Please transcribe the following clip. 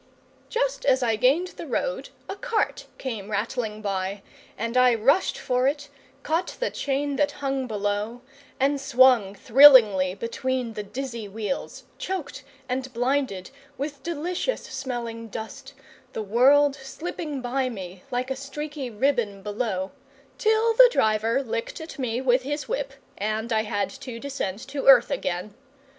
Just as I gained the road a cart came rattling by, and I rushed for it, caught the chain that hung below, and swung thrillingly between the dizzy wheels, choked and blinded with delicious smelling dust, the world slipping by me like a streaky ribbon below, till the driver licked at me with his whip, and I had to descend to earth again.